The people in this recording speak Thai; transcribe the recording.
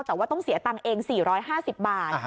แต่ว่าต้องเสียตังค์เอง๔๕๐บาท